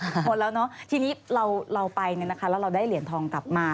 หมดแล้วเนอะทีนี้เราไปเนี่ยนะคะแล้วเราได้เหรียญทองกลับมา